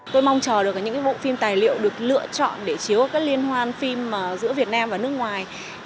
tôi mong chờ được những bộ phim tài liệu được lựa chọn để chiếu các liên hoan phim giữa việt nam và nước ngoài